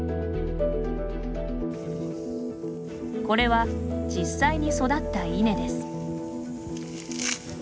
これは、実際に育った稲です。